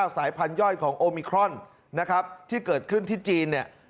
สายพันธย่อยของโอมิครอนนะครับที่เกิดขึ้นที่จีนเนี่ย